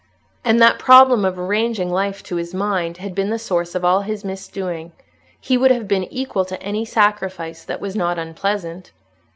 And that problem of arranging life to his mind had been the source of all his misdoing. He would have been equal to any sacrifice that was not unpleasant.